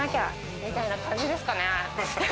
みたいな感じですかね。